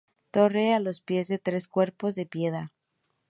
Torre, a los pies, de tres cuerpos, de piedra.